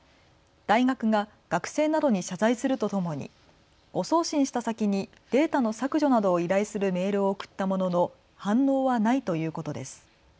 大学が学生などに謝罪するとともに誤送信した先にデータの削除などを依頼するメールを送ったものの反応はないということです。